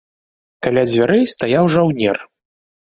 Каля дзвярэй стаяў жаўнер.